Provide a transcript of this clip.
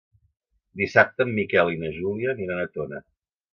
Dissabte en Miquel i na Júlia aniran a Tona.